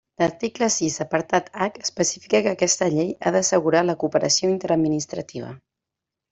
L'article sis apartat hac especifica que aquesta llei ha d'assegurar la cooperació interadministrativa.